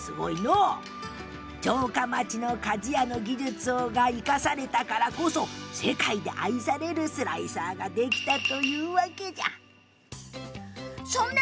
城下町の鍛冶屋の技術を生かしたからこそ世界で愛されるスライサーができたんじゃな。